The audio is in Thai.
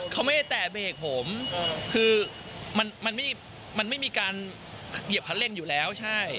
เขาไม่ได้แตะเบรกผมคือมันไม่มีการเหยียบคันเร่งอยู่แล้วใช่